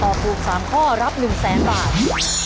ถอบถูกสามข้อรับหนึ่งแสนบาท